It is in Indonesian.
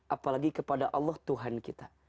apalagi kepada allah tuhan kita